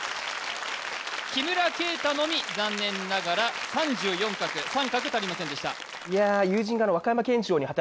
木村圭太のみ残念ながら３４画３画足りませんでした